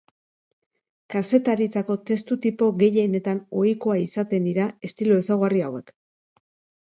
Kazetaritzako testu tipo gehienetan ohikoa izaten dira estilo ezaugarri hauek.